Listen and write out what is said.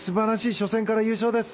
初戦から優勝です。